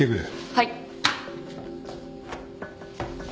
はい。